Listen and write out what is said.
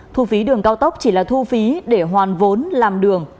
thu phí đường cao tốc chỉ là thu phí để hoàn vốn làm đường